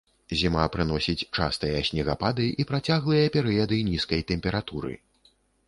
Зіма прыносіць частыя снегапады і працяглыя перыяды нізкай тэмпературы.